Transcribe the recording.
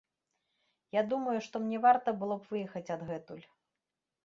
Я думаю, што мне варта было б выехаць адгэтуль.